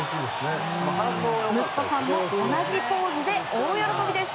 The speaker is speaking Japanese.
息子さんも同じポーズで大喜びです！